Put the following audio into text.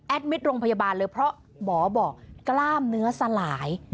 มิตรโรงพยาบาลเลยเพราะหมอบอกกล้ามเนื้อสลาย